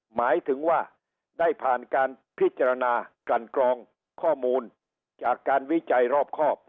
หมายถึงว่าได้ผ่านการพิจารณากันกรองข้อมูลจากการวิจัยรอบครอบ